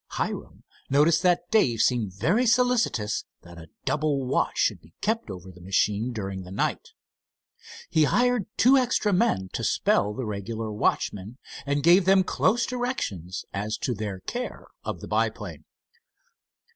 Hiram noticed that Dave seemed very solicitous that a double watch should be kept over the machine during the night. He hired two extra men to spell the regular watchmen, and gave them close directions as to their care of the biplane.